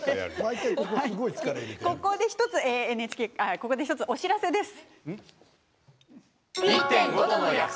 ここで１つお知らせです。